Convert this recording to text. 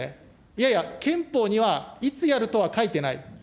いやいや、憲法にはいつやるとは書いてない。